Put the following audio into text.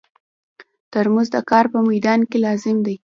ترموز د کار په مېدان کې لازم دی.